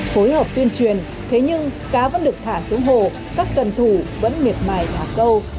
phối hợp tuyên truyền thế nhưng cá vẫn được thả xuống hồ các cần thủ vẫn miệt mài thả câu